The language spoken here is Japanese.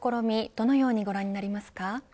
どのようにご覧になりますか。